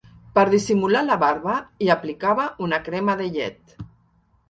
Per dissimular la barba hi aplicava una crema de llet.